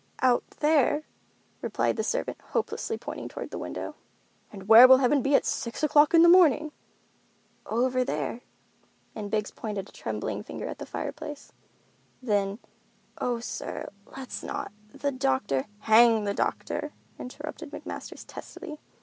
"Out there," replied the servant, hopelessly, pointing toward the window. "And where will heaven be at six o'clock in the morning?" "Over there." And Biggs pointed a trembling finger at the fireplace. Then, "Oh, sir, let's not—the doctor——" "Hang the doctor," interrupted McMasters testily.